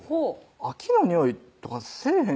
秋のにおいとかせぇへんし